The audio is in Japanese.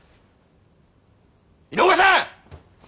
井上さん！